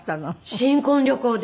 新婚旅行で。